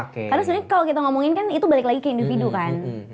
karena sebenarnya kalau kita ngomongin kan itu balik lagi ke individu kan